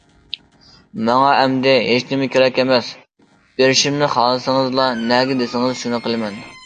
ماڭا ئەمدى ھېچنېمە كېرەك ئەمەس، بېرىشىمنى خالىسىڭىزلا نەگە دېسىڭىز شۇنى قىلىمەن.